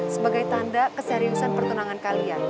sebagai tanda keseriusan pertunangan kalian